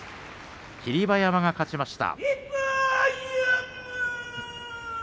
霧馬山が勝ちました。